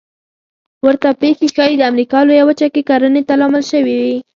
ورته پېښې ښایي د امریکا لویه وچه کې کرنې ته لامل شوې وي